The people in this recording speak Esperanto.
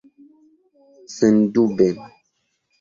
sendube